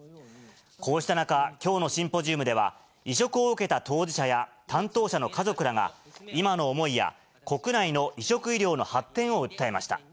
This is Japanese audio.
こうした中、きょうのシンポジウムでは、移植を受けた当事者や担当者の家族らが、今の思いや国内の移植医療の発展を訴えました。